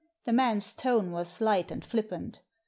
The man's tone was light and flippant.